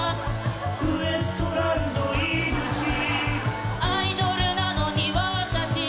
・「ウエストランド井口」「アイドルなのに私」